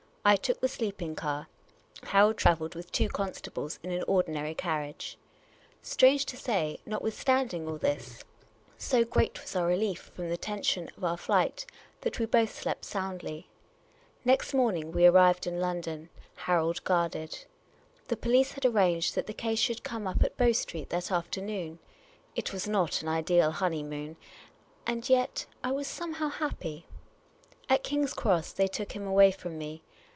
I took the sleeping car ; Harold trav elled with two constables in an ordinary carriage. Strange to say, notwithstanding all this, so great was our relief from M^ u I HAVE FOUND A CLUE. The Oriental Attendant 317 the tension of our flight, that we both slept soundly. Next morning we arrived in London, Harold guarded. The police had arranged that the case should come up at Bow Street that afternoon. It was not an ideal honeymoon, and yet, I was somehow happy. At King's Cross, they took him away from me.